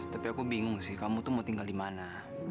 tapi aku bingung sih kamu tuh mau tinggal dimana